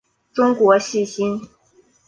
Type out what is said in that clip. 中国细辛